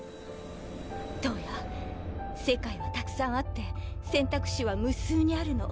燈矢世界はたくさんあって選択肢は無数にあるの。